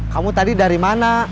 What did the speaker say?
kamu tadi dari mana